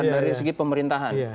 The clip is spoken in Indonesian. dari segi pemerintahan